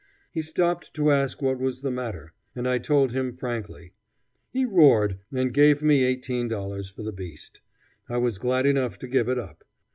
He stopped to ask what was the matter, and I told him frankly. He roared and gave me $18 for the beast. I was glad enough to give it up.